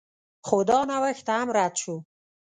خو دا نوښت هم رد شو